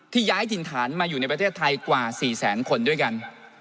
ย้ายถิ่นฐานมาอยู่ในประเทศไทยกว่า๔แสนคนด้วยกัน